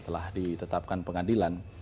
setelah ditetapkan pengadilan